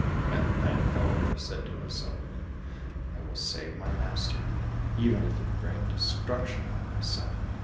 At length, however, he said to himself, "I will save my master, even if it bring destruction on myself."